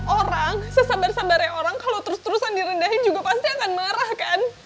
orang sesabar sabarnya orang kalau terus terusan direndahin juga pasti akan marah kan